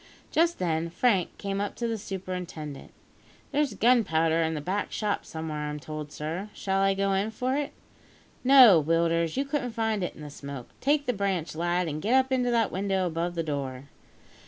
Just then, Frank came up to the superintendent. "There's gunpowder in the back shop somewhere, I'm told, sir; shall I go in for it?" "No, Willders; you couldn't find it in the smoke. Take the branch, lad, and get up into that window above the door."